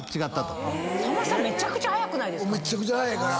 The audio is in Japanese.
めちゃくちゃ速いから。